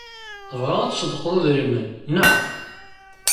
Tebɣiḍ ad tṣeddqeḍ idrimen, naɣ?